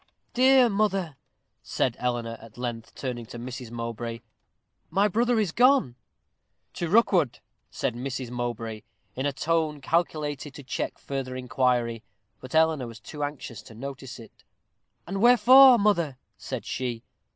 "Dear mother," said Eleanor, at length, turning to Mrs. Mowbray, "my brother is gone " "To Rookwood," said Mrs. Mowbray, in a tone calculated to check further inquiry; but Eleanor was too anxious to notice it. "And wherefore, mother?" said she.